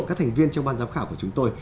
các thành viên trong ban giám khảo của chúng tôi